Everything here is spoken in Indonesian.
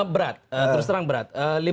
berat terus terang berat